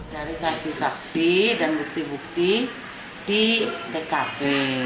dari saksi saksi dan bukti bukti di tkp